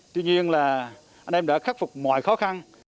tuy nhiên là anh em đã khắc phục mọi khó khăn